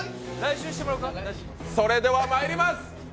それではまいります。